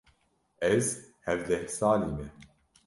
Ez hevdeh salî me.